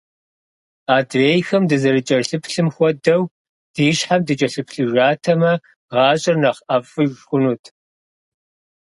Адрейхэм дазэрыкӀэлъыплъым хуэдэу ди щхьэм дыкӀэлъыплъыжатэмэ, гъащӀэр нэхъ ӀэфӀыж хъунут.